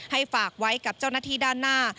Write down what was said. ฝากไว้กับเจ้าหน้าที่ด้านหน้า